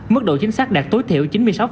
mức độ chính xác đạt tối thiểu chín mươi sáu